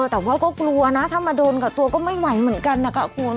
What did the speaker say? แต่ว่าก็กลัวนะถ้ามาโดนกับตัวก็ไม่ไหวเหมือนกันนะคะคุณ